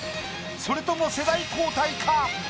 それとも世代交代か？